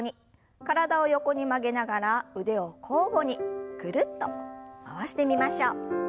体を横に曲げながら腕を交互にぐるっと回してみましょう。